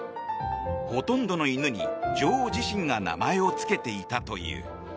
ほとんどの犬に女王自身が名前をつけていたという。